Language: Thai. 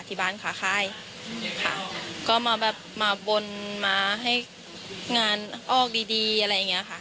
ขาค่ายค่ะก็มาแบบมาบนมาให้งานออกดีดีอะไรอย่างเงี้ยค่ะ